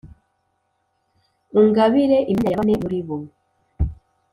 Ungabire imyanya ya bane muli bo! »